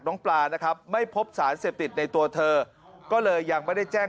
ปลานะครับไม่พบสารเสพติดในตัวเธอก็เลยยังไม่ได้แจ้ง